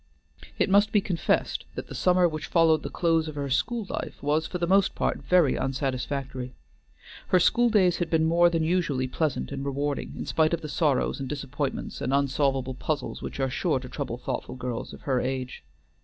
It must be confessed that the summer which followed the close of her school life was, for the most part, very unsatisfactory. Her school days had been more than usually pleasant and rewarding, in spite of the sorrows and disappointments and unsolvable puzzles which are sure to trouble thoughtful girls of her age.